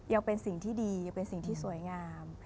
ยังเป็นสิ่งที่ดียังเป็นสิ่งที่สวยงาม